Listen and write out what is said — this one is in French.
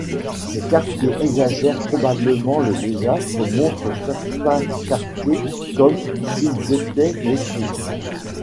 Ces cartes qui exagèrent probablement le désastre montrent certains quartiers comme s'ils étaient détruits.